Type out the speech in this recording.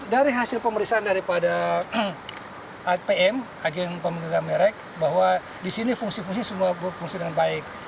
dari hasil pemeriksaan daripada pm agen pemegang merek bahwa di sini fungsi fungsi semua berfungsi dengan baik